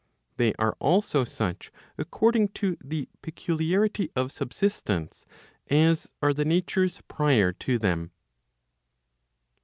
They are also such according to the peculiarity of subsistence as are the natures prior to them.